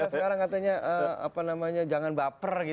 sekarang katanya jangan baper gitu jangan dibawa perasaan